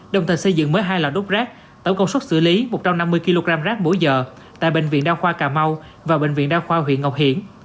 đồng thời xây dựng mới hai lò đốt rác tổng công suất xử lý một trăm năm mươi kg rác mỗi giờ tại bệnh viện đa khoa cà mau và bệnh viện đa khoa huyện ngọc hiển